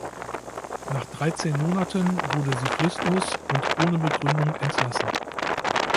Nach dreizehn Monaten wurde sie fristlos und ohne Begründung entlassen.